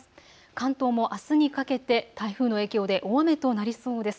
関東もあすにかけて台風の影響で大雨となりそうです。